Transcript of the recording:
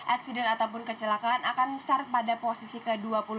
accident ataupun kecelakaan akan besar pada posisi ke dua puluh dua